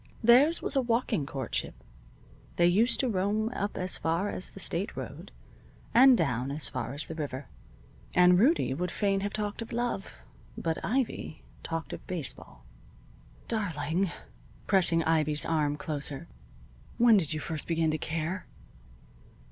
Theirs was a walking courtship. They used to roam up as far as the State road, and down as far as the river, and Rudie would fain have talked of love, but Ivy talked of baseball. "Darling," Rudie would murmur, pressing Ivy's arm closer, "when did you first begin to care?"